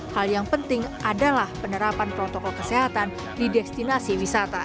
hal yang penting adalah penerapan protokol kesehatan di destinasi wisata